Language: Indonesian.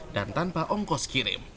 dan tanpa ongkos kirim